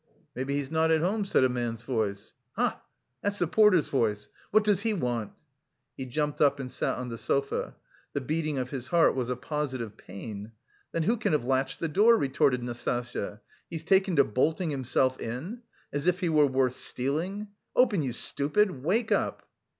"Maybe he's not at home," said a man's voice. "Ha! that's the porter's voice.... What does he want?" He jumped up and sat on the sofa. The beating of his heart was a positive pain. "Then who can have latched the door?" retorted Nastasya. "He's taken to bolting himself in! As if he were worth stealing! Open, you stupid, wake up!"